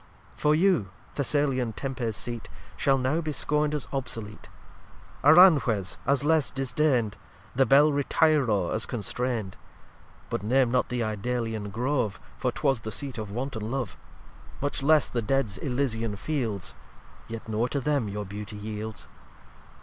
xcv For you Thessalian Tempe's Seat Shall now be scorn'd as obsolete; Aranjuez, as less, disdain'd; The Bel Retiro as constrain'd; But name not the Idalian Grove, For 'twas the Seat of wanton Love; Much less the Deads' Elysian Fields, Yet nor to them your Beauty yields.